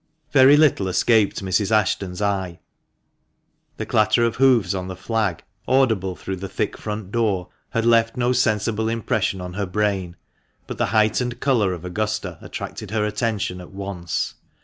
Very little escaped Mrs. Ashton's eye. The clatter of hoofs on the flags, audible through the thick front door, had left no sensible impression on her brain, but the heightened colour of Augusta attracted her attention at once.